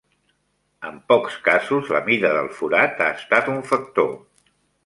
En pocs casos la mida del forat ha estat un factor.